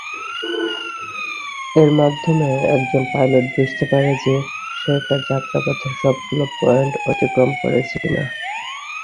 এর মাধ্যমে একজন পাইলট বুঝতে পারে যে সে তার যাত্রাপথের সবগুলো পয়েন্ট অতিক্রম করেছে কিনা।